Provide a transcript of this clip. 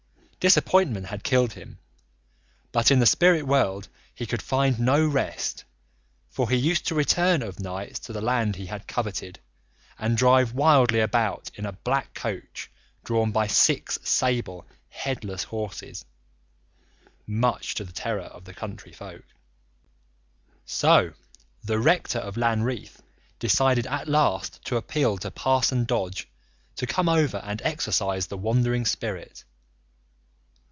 Disappointment had killed him, but in the spirit world he could find no rest, for he used to return of nights to the land he had coveted, and drive wildly about in a black coach drawn by six sable, headless horses, much to the terror of the country folk. So the rector of Lanreath decided at last to appeal to Parson Dodge to come over and exorcise the wandering spirit.